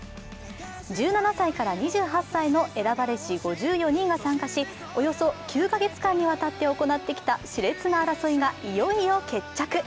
１７歳から２８歳の選ばれし５４人が参加しおよそ９か月間にわたって行われてきたしれつな争いがいよいよ決着。